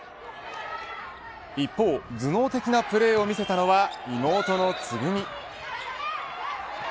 一方、頭脳的なプレーを見せたのは妹のつぐみ。